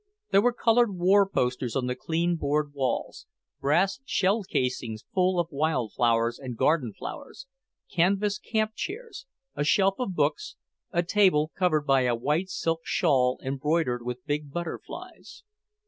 There were coloured war posters on the clean board walls, brass shell cases full of wild flowers and garden flowers, canvas camp chairs, a shelf of books, a table covered by a white silk shawl embroidered with big butterflies.